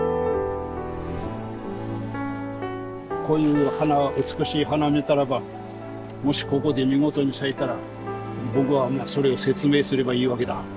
こういう花美しい花見たらばもしここで見事に咲いたら僕はそれを説明すればいいわけだ。